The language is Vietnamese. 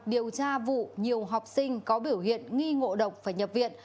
điều tra vụ nhiều học sinh có biểu hiện nghi ngộ độc phải nhập viện